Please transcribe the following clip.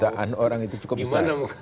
delapan belas jutaan orang itu cukup besar